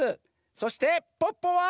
そしてポッポは？